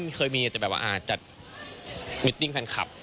ที่เคยมีแต่แบบว่าจัดมิวติ้งแฟนคลับ